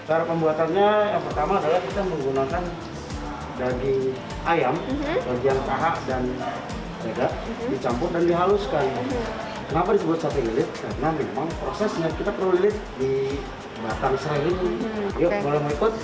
cara pembuatannya yang pertama adalah kita menggunakan daging ayam daging tahak dan tega dicampur dan dihaluskan kenapa disebut sate lilit karena memang prosesnya kita perlu lilit di batang serai ini yuk boleh mau ikut